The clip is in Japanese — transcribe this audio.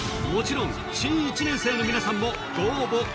もちろん新１年生の皆さんもご応募